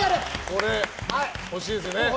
これ、欲しいですよね。